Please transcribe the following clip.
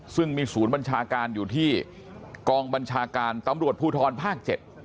ซึ่งมีศูนย์บัญชาการอยู่ที่กองบัญชาการตำรวจภูทรภาค๗